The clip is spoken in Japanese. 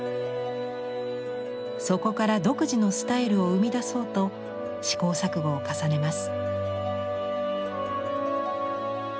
そこから独自のスタイルを生み出そうと試行錯誤を重ねます。